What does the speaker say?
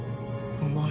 うまい。